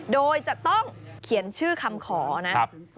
โดยจะต้องเขียนชื่อคำขอนะ